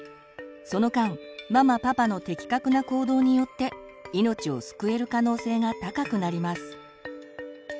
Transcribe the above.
その間ママ・パパの的確な行動によって命を救える可能性が高くなります。